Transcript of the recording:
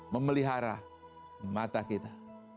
memelihara mata kita